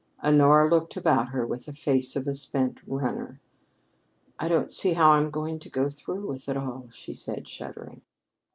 Honora looked about her with the face of a spent runner. "I don't see how I'm going to go through with it all," she said, shuddering.